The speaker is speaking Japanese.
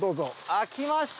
開きました！